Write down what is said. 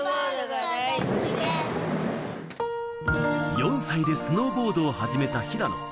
４歳でスノーボードを始めた平野。